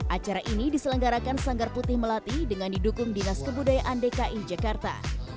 acara ini diselenggarakan sanggar putih melati dengan didukung dinas kebudayaan dki jakarta